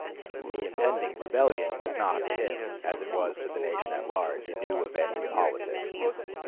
The impending rebellion was not to him, as it was to the nation at large, a new event in politics.